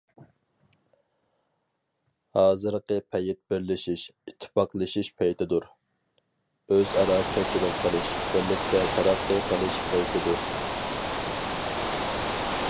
ھازىرقى پەيت بىرلىشىش، ئىتتىپاقلىشىش پەيتىدۇر، ئۆز -ئارا كەچۈرۈم قىلىش، بىرلىكتە تەرەققىي قىلىش پەيتىدۇر.